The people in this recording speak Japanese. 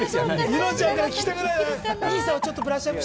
柚乃ちゃんから聞きたくないな。